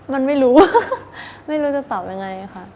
มันไม่รู้ไม่รู้จะตอบยังไงค่ะ